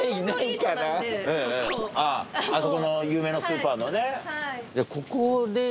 あそこの有名なスーパーのね。